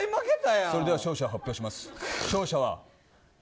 それでは勝者を発表します。